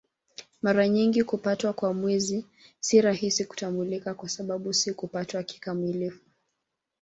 Mara nyingi kupatwa kwa Mwezi si rahisi kutambulika kwa sababu si kupatwa kikamilifu.